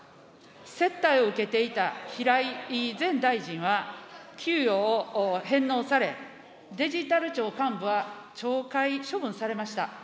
接待を受けていた平井前大臣は給与を返納され、デジタル庁幹部は懲戒処分されました。